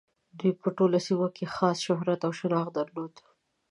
دوی په ټوله سیمه کې یې خاص شهرت او شناخت درلود.